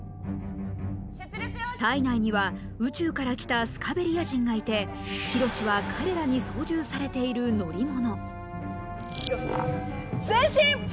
体内には宇宙から来たスカベリア人がいてヒロシは彼らに操縦されている乗り物緋炉詩前進！